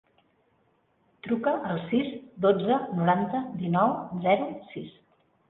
Truca al sis, dotze, noranta, dinou, zero, sis.